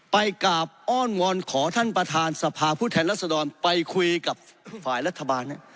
ไปกราบอ้อนวอนขอท่านประธานสภาผู้แทนรัศดรไปคุยกับฝ่ายรัฐบาล